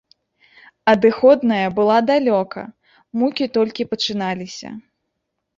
Адыходная была далёка, мукі толькі пачыналіся.